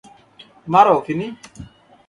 মারো, ফিনি।